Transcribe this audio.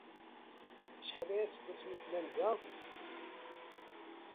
Acḥal aya seg wasmi ay tellam da?